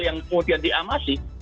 yang kemudian diamasi